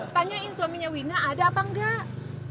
tanyain suaminya wina ada apa enggak